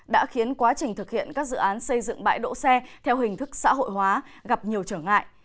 đã khiến quá trình thực hiện các dự án xây dựng bãi đỗ xe theo hình thức xã hội hóa gặp nhiều trở ngại